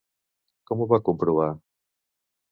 Com ho va comprovar?